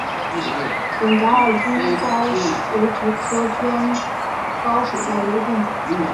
准噶尔绢蒿为菊科绢蒿属下的一个变种。